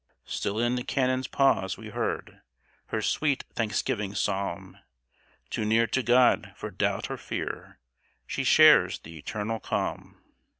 "Still in the cannon's pause we hear Her sweet thanksgiving psalm; Too near to God for doubt or fear, She shares the eternal calm.